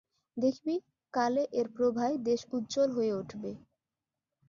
দেখবি, কালে এর প্রভায় দেশ উজ্জ্বল হয়ে উঠবে।